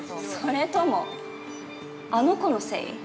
それともあの子のせい？